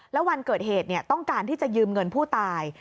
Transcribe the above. แล้ววันเกิดเหตุต้องการที่จะยืมเงินผู้ตาย